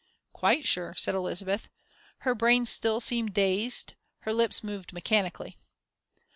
"Quite sure," said Elizabeth. Her brain still seemed dazed, her lips moved mechanically.